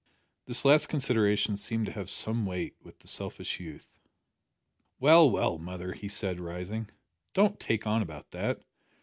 This last consideration seemed to have some weight with the selfish youth. "Well, well, mother," he said, rising, "don't take on about that.